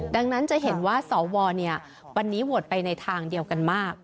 ดังนั้นจะเห็นว่าสววันนี้โหวตไปในทางเดียวกันมาก